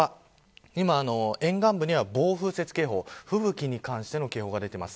今、沿岸部には暴風雪警報吹雪に関しての警報が出ています。